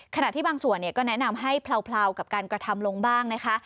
ขณะที่บางส่วนก็แนะนำให้เลากับการกระทำลงบ้างนะคะ